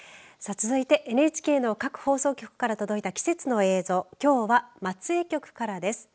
続いてＮＨＫの各放送局から届いた季節の映像きょうは松江局からです。